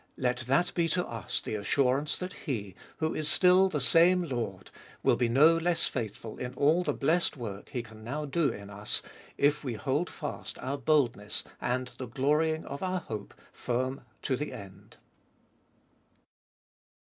Let that be to us 114 abe fjolfeat of 2111 the assurance that He, who is still the same Lord, will be no less faithful in all the blessed work He can now do in us, if we hold fast our boldness and the glorying of our hope firm to the end.